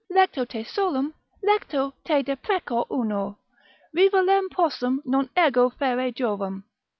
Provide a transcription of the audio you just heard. Lecto te solum, lecto te deprecor uno, Rivalem possum non ego ferre Jovem.